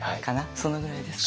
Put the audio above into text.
そのぐらいですかね。